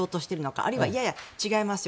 あるいは、いやいや、違いますよ